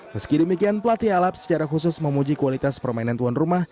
meski demikian pelatih alap secara khusus memuji kualitas permainan tuan rumah